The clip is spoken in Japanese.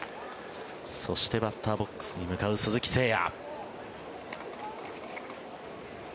そしてバッターボックスに向かう鈴木誠也。